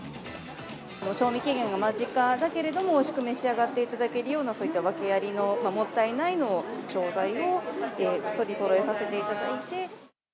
賞味期限が間近だけれども、おいしく召し上がっていただけるような、そういった訳ありの、もったいないの商材を取りそろえさせていただいて。